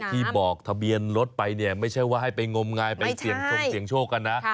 ที่บอกทะเบียนรถไปเนี่ยไม่ใช่ว่าให้ไปงมงายไปเสี่ยงชงเสียงโชคกันนะ